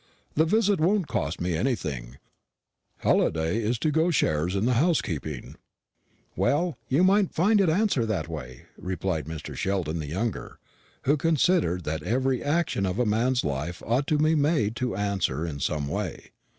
The visit won't cost me anything Halliday is to go shares in the housekeeping." "Well, you may find it answer that way," replied Mr. Sheldon the younger, who considered that every action of a man's life ought to be made to "answer" in some way.